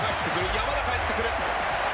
山田、かえってくる。